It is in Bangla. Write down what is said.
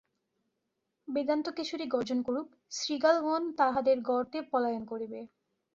বেদান্তকেশরী গর্জন করুক, শৃগালগণ তাহাদের গর্তে পলায়ন করিবে।